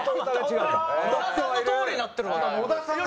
野田さんのとおりになってるわ。